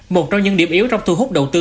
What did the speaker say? một trong những điểm yếu trong thu hút đầu tư